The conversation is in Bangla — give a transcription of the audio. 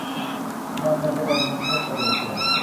আমি আপনাদের একজনকে হত্যা করেছিলাম।